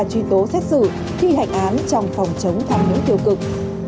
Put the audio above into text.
truy tố xét xử thi hành án trong phòng chống tham nhũng tiêu cực